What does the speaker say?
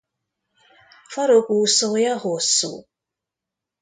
Farokúszója hosszú.